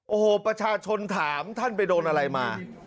โอ้โหประชาชนถามท่านไปโดนอะไรมา